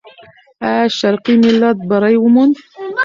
آیا شرقي ملت بری وموند؟